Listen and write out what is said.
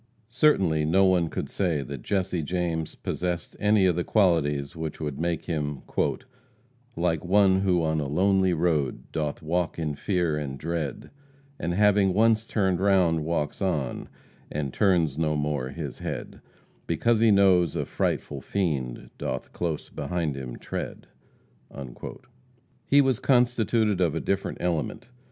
Certainly no one could say that Jesse James possessed any of the qualities which would make him "Like one who on a lonely road Doth walk in fear and dread, And having once turned round, walks on, And turns no more his head, Because he knows a frightful fiend Doth close behind him tread." He was constituted of a different element.